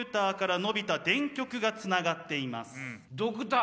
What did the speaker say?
ドクター